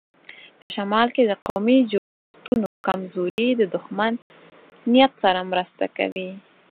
په شمال کې د قومي جوړښتونو کمزوري د دښمن نیت سره مرسته کوي.